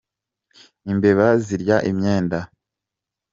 Imbeba zirya imyenda.